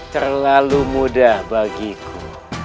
terlalu mudah bagiku